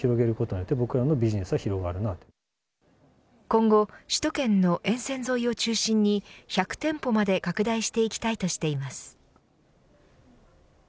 今後首都圏の沿線沿いを中心に１００店舗まで拡大していきたいとしています。